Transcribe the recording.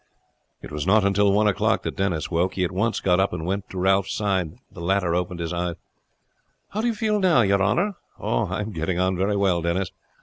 It was not until just one o'clock that Denis woke. He at once got up and went to Ralph's side. The latter opened his eyes. "How do you feel now, your honor?" "Oh, I am getting on very well, Denis.